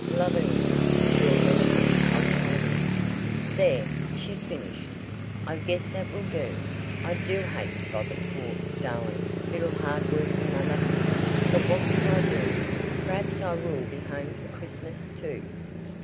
"Lovingly, your daughter, "OCTAVIA." "There," she finished, "I guess that will do. I do hate to bother poor, darling, little hard working mother, but what can I do? Perhaps I will be home for Christmas, too."